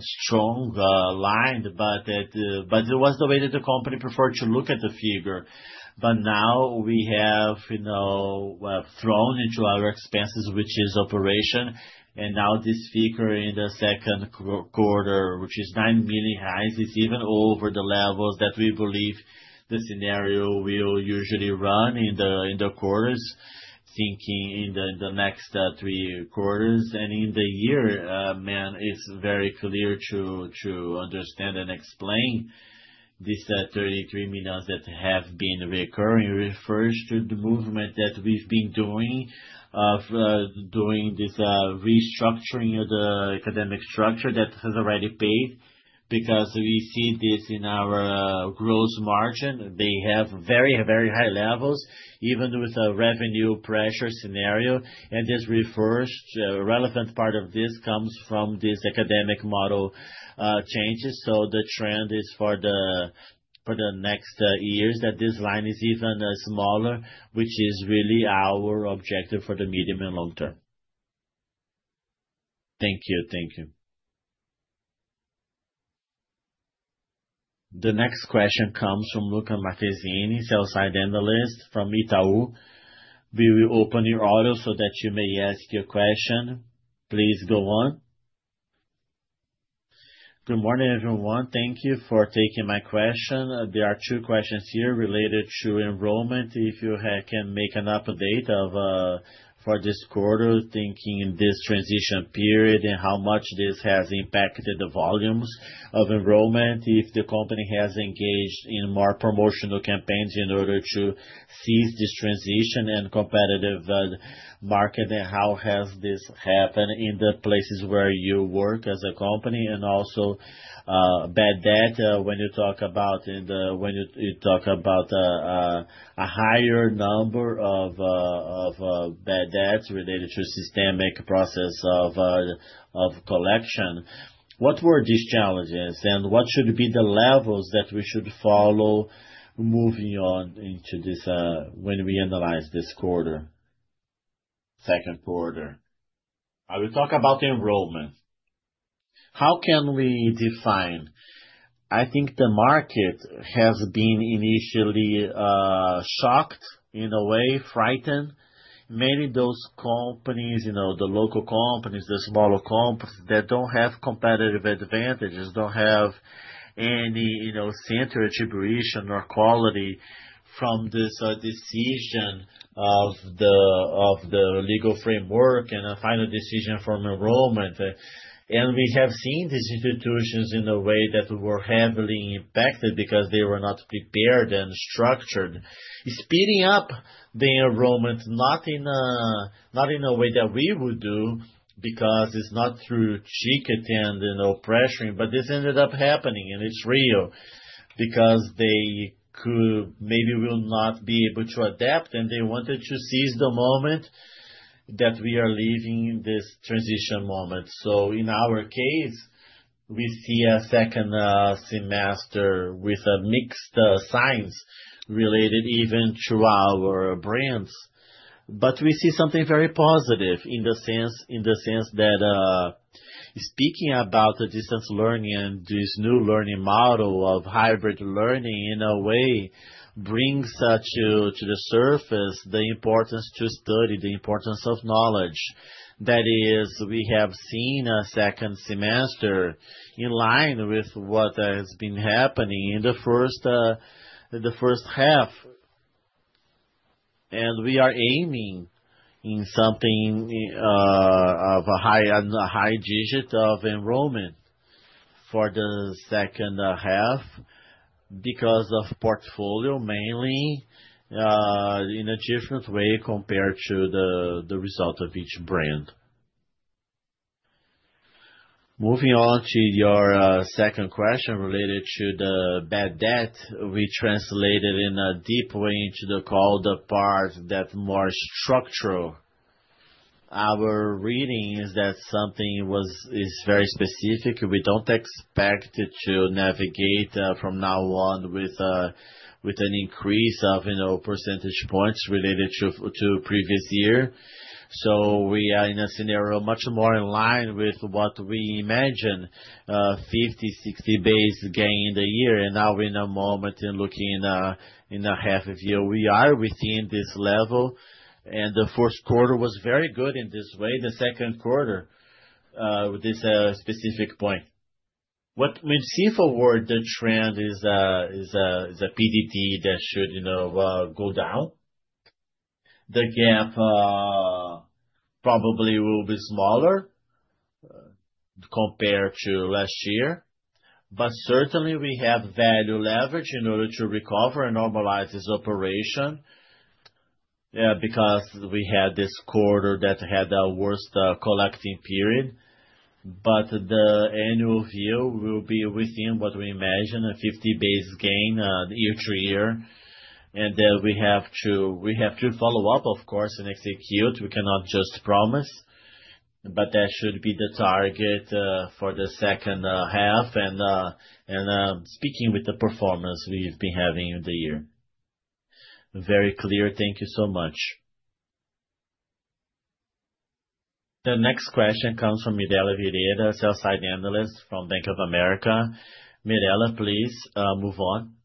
strong line, but it was the way that the company preferred to look at the figure. But now we have thrown into our expenses, which is operational. And now this figure in the second quarter, which is 9 million reais, is even over the levels that we believe the scenario will usually run in the quarters, thinking in the next three quarters. And in the year, man, it's very clear to understand and explain these 33 million reais that have been recurring, refers to the movement that we've been doing of doing this restructuring of the academic structure that has already paid because we see this in our gross margin. They have very, very high levels even with a revenue pressure scenario. And this refers to a relevant part of this comes from this academic model changes. So the trend is for the next years that this line is even smaller, which is really our objective for the medium and long term. Thank you. Thank you. The next question comes from Luca Marchesini, sell-side analyst from Itaú. We will open your audio so that you may ask your question. Please go on. Good morning, everyone. Thank you for taking my question. There are two questions here related to enrollment. If you can make an update for this quarter, thinking in this transition period and how much this has impacted the volumes of enrollment, if the company has engaged in more promotional campaigns in order to seize this transition and competitive market, then how has this happened in the places where you work as a company? And also bad debt, when you talk about a higher number of bad debts related to systemic process of collection, what were these challenges? And what should be the levels that we should follow moving on into this when we analyze this quarter, second quarter? I will talk about enrollment. How can we define? I think the market has been initially shocked in a way, frightened. Many of those companies, the local companies, the smaller companies that don't have competitive advantages, don't have any accreditation or quality from this decision of the legal framework and a final decision from enrollment, and we have seen these institutions in a way that were heavily impacted because they were not prepared and structured, speeding up the enrollment, not in a way that we would do because it's not through average ticket or pressuring, but this ended up happening and it's real because they maybe will not be able to adapt and they wanted to seize the moment that we are leaving this transition moment, so in our case, we see a second semester with mixed signals related even to our brands. We see something very positive in the sense that speaking about the distance learning and this new learning model of hybrid learning in a way brings to the surface the importance to study, the importance of knowledge. That is, we have seen a second semester in line with what has been happening in the first half. We are aiming in something of a high digit of enrollment for the second half because of portfolio mainly in a different way compared to the result of each brand. Moving on to your second question related to the bad debt, we translated in a deep way into the call the part that's more structural. Our reading is that something is very specific. We don't expect to navigate from now on with an increase of percentage points related to previous year. We are in a scenario much more in line with what we imagine, 50-60 basis point gain in the year. Now we're in a moment in looking in a half a year, we are within this level. The first quarter was very good in this way. The second quarter with this specific point. What we see forward, the trend is a PCLD that should go down. The gap probably will be smaller compared to last year. But certainly, we have value leverage in order to recover and normalize this operation because we had this quarter that had the worst collecting period. But the annual view will be within what we imagine, a 50 basis point gain year to year. Then we have to follow up, of course, and execute. We cannot just promise. But that should be the target for the second half. Speaking with the performance we've been having in the year. Very clear. Thank you so much. The next question comes from Mirela Oliveira, sell-side analyst from Bank of America. Mirela, please move on.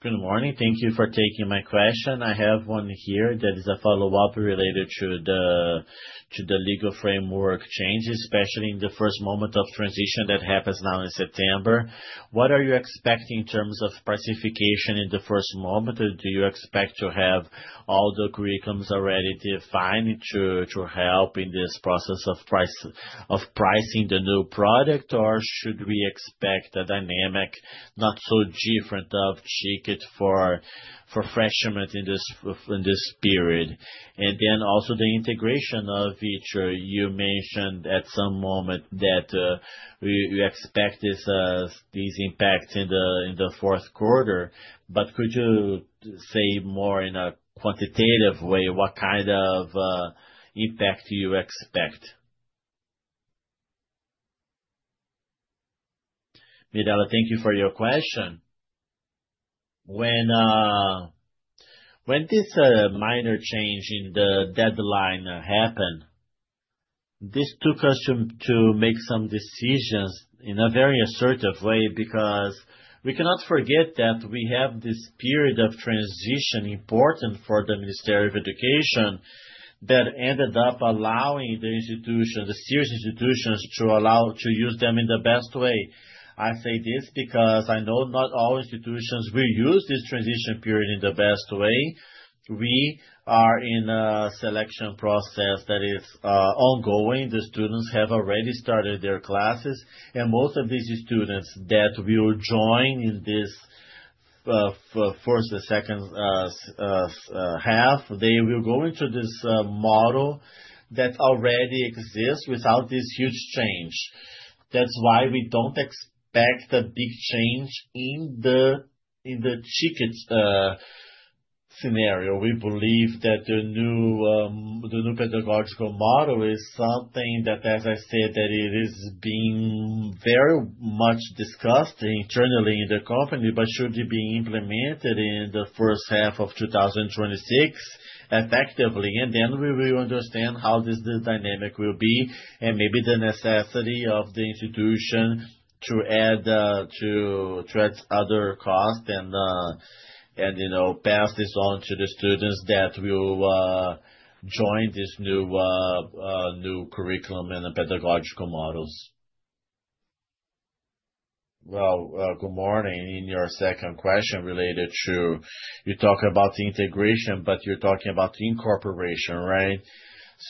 Good morning. Thank you for taking my question. I have one here that is a follow-up related to the legal framework changes, especially in the first moment of transition that happens now in September. What are you expecting in terms of pricing in the first moment? Do you expect to have all the curriculums already defined to help in this process of pricing the new product, or should we expect a dynamic not so different of ticket for freshmen in this period? And then also the integration of Vitru, you mentioned at some moment that you expect these impacts in the fourth quarter. But could you say more in a quantitative way what kind of impact you expect? Mirela, thank you for your question. When this minor change in the deadline happened, this took us to make some decisions in a very assertive way because we cannot forget that we have this period of transition important for the Ministry of Education that ended up allowing the institutions, the serious institutions, to use them in the best way. I say this because I know not all institutions will use this transition period in the best way. We are in a selection process that is ongoing. The students have already started their classes. And most of these students that will join in this first, the second half, they will go into this model that already exists without this huge change. That's why we don't expect a big change in the ticket scenario. We believe that the new pedagogical model is something that, as I said, that it is being very much discussed internally in the company, but should be implemented in the first half of 2026 effectively. And then we will understand how this dynamic will be and maybe the necessity of the institution to add to its other costs and pass this on to the students that will join this new curriculum and pedagogical models. Well, good morning. In your second question related to, you talk about the integration, but you're talking about the incorporation, right?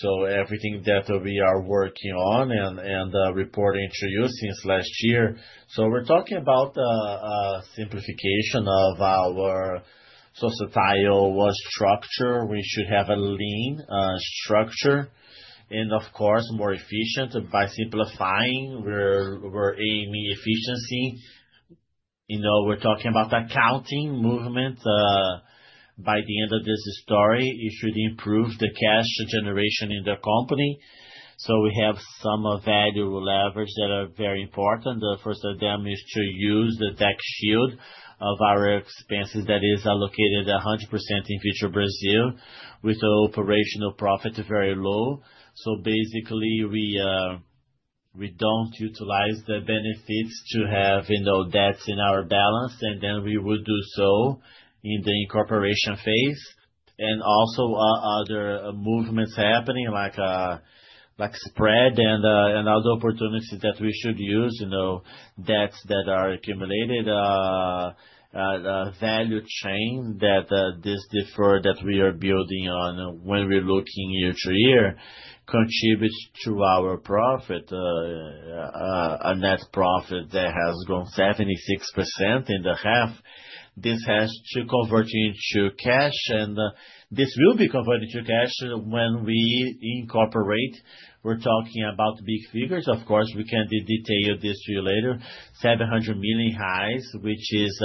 So everything that we are working on and reporting to you since last year. So we're talking about simplification of our societal structure. We should have a lean structure. And of course, more efficient by simplifying. We're aiming efficiency. We're talking about accounting movement. By the end of this story, it should improve the cash generation in the company, so we have some value leverage that are very important. The first of them is to use the tax shield of our expenses that is allocated 100% in Vitru Brazil with operational profit very low, so basically, we don't utilize the benefits to have debts in our balance, and then we would do so in the incorporation phase, and also other movements happening like spread and other opportunities that we should use, debts that are accumulated, value chain that this defer that we are building on when we're looking year to year contributes to our profit, a net profit that has grown 76% in the half. This has to convert into cash, and this will be converted to cash when we incorporate. We're talking about big figures. Of course, we can detail this to you later. 700 million reais, which is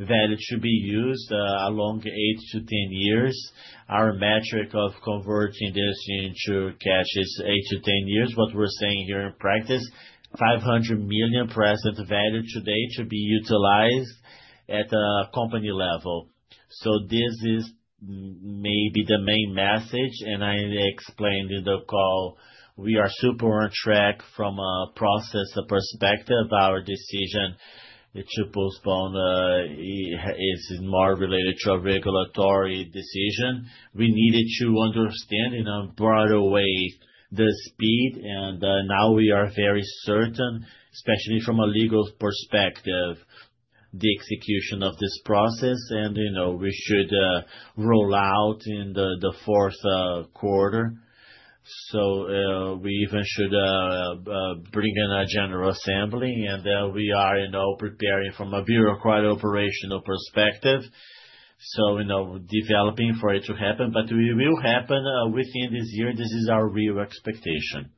value to be used over 8 to 10 years. Our metric of converting this into cash is 8 to 10 years. What we're saying here in practice, 500 million present value today to be utilized at a company level. So this is maybe the main message, and I explained in the call, we are super on track from a process perspective. Our decision to postpone is more related to a regulatory decision. We needed to understand in a broader way the speed, and now we are very certain, especially from a legal perspective, the execution of this process, and we should roll out in the fourth quarter, so we even should bring in a general assembly, and then we are preparing from a bureaucratic operational perspective, so developing for it to happen. But it will happen within this year. This is our real expectation.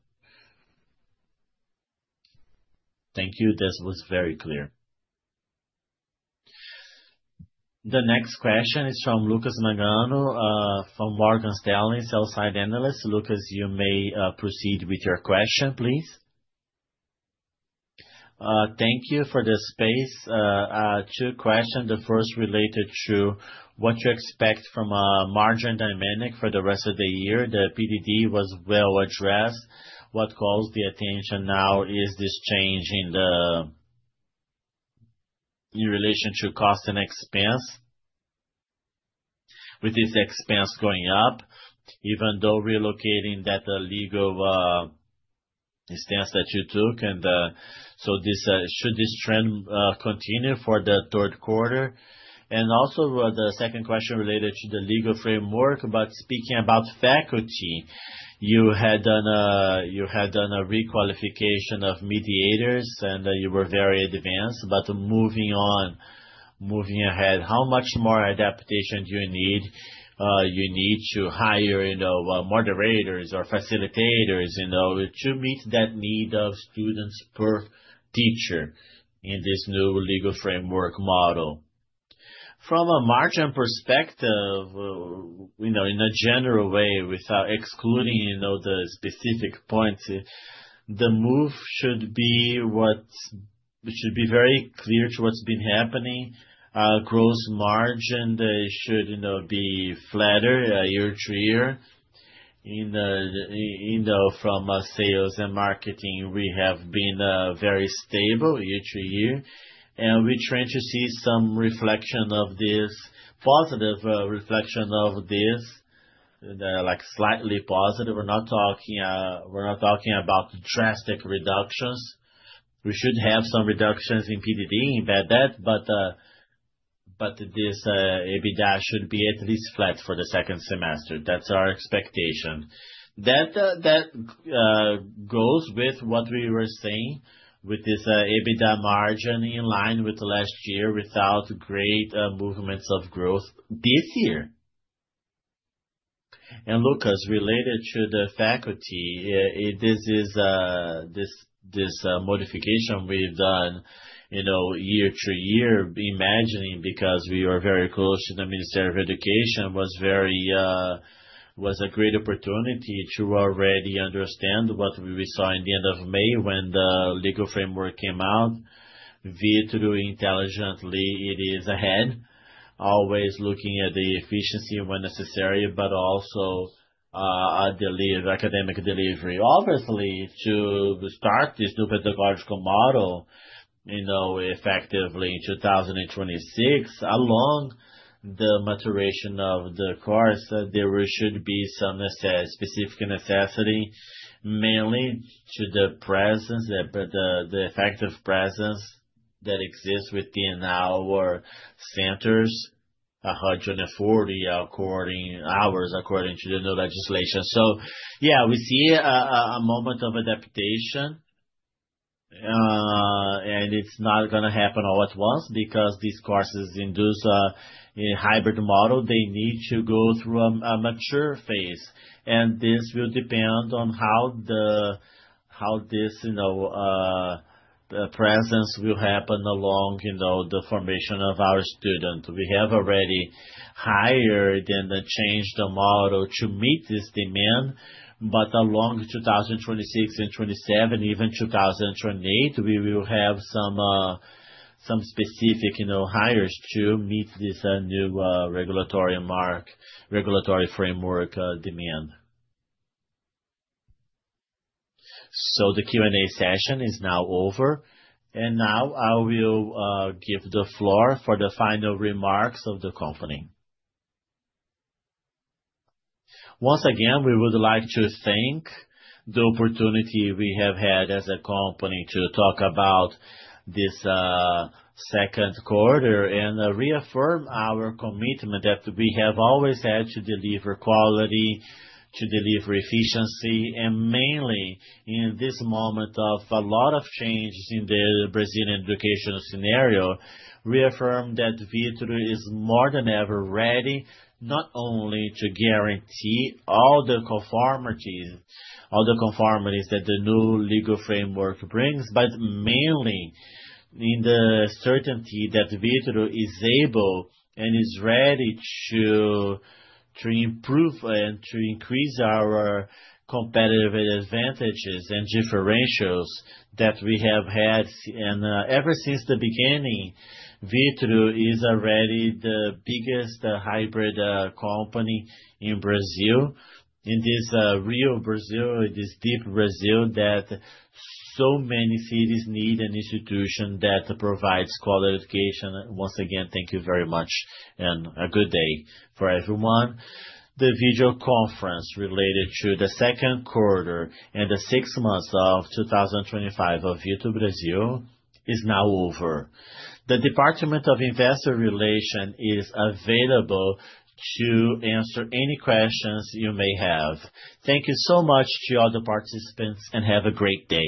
Thank you. This was very clear. The next question is from Lucas Nagano from Morgan Stanley, sell-side analyst. Lucas, you may proceed with your question, please. Thank you for the space. Two questions. The first related to what you expect from a margin dynamic for the rest of the year. The PDD was well addressed. What calls the attention now is this change in relation to cost and expense. With this expense going up, even though relocating that legal stance that you took. And so should this trend continue for the third quarter? And also the second question related to the legal framework, but speaking about faculty, you had done a requalification of mediators, and you were very advanced. But moving on, moving ahead, how much more adaptation do you need to hire moderators or facilitators to meet that need of students per teacher in this new legal framework model? From a margin perspective, in a general way, without excluding the specific points, the move should be what should be very clear to what's been happening. Gross margin should be flatter year to year. From sales and marketing, we have been very stable year to year. And we're trying to see some reflection of this, positive reflection of this, slightly positive. We're not talking about drastic reductions. We should have some reductions in PDD and bad debt, but this EBITDA should be at least flat for the second semester. That's our expectation. That goes with what we were saying with this EBITDA margin in line with last year without great movements of growth this year. Lucas, related to the faculty, this modification we've done year to year, imagining because we are very close to the Ministry of Education, was a great opportunity to already understand what we saw in the end of May when the legal framework came out. Vitru, intelligently, it is ahead, always looking at the efficiency when necessary, but also academic delivery. Obviously, to start this new pedagogical model effectively in 2026, along the maturation of the course, there should be some specific necessity, mainly to the presence, the effective presence that exists within our centers, 140 hours according to the new legislation. Yeah, we see a moment of adaptation. It's not going to happen all at once because these courses include a hybrid model. They need to go through a mature phase. This will depend on how this presence will happen along the formation of our students. We have already hired and changed the model to meet this demand. But along 2026 and 2027, even 2028, we will have some specific hires to meet this new regulatory framework demand. The Q&A session is now over. Now I will give the floor for the final remarks of the company. Once again, we would like to thank the opportunity we have had as a company to talk about this second quarter and reaffirm our commitment that we have always had to deliver quality, to deliver efficiency. Mainly, in this moment of a lot of changes in the Brazilian educational scenario, reaffirm that Vitru is more than ever ready, not only to guarantee all the conformities that the new legal framework brings, but mainly in the certainty that Vitru is able and is ready to improve and to increase our competitive advantages and differentials that we have had. Ever since the beginning, Vitru is already the biggest hybrid company in Brazil. In this real Brazil, in this deep Brazil that so many cities need an institution that provides quality education. Once again, thank you very much and a good day for everyone. The video conference related to the second quarter and the six months of 2025 of Vitru Brazil is now over. The Department of Investor Relations is available to answer any questions you may have. Thank you so much to all the participants, and have a great day.